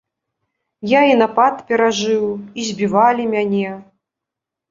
Я і напад перажыў, і збівалі мяне.